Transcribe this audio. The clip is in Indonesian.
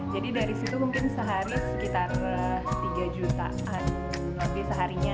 jadi dari situ mungkin sehari sekitar rp tiga an nanti seharinya